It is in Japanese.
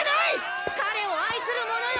彼を愛する者よ